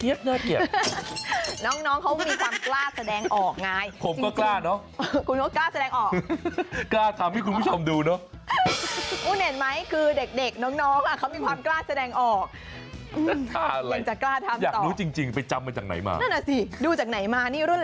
เอ่อโยกเข้าไปให้มันหลุด